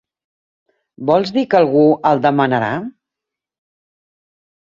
¿Vols dir que algú el demanarà?